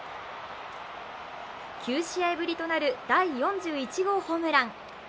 ９試合ぶりとなる第４１号ホームラン。